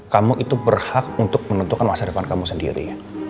kamu itu berhak untuk menentukan masa depan kamu sendiri